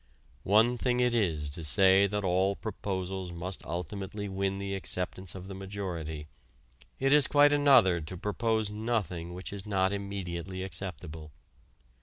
One thing it is to say that all proposals must ultimately win the acceptance of the majority; it is quite another to propose nothing which is not immediately acceptable.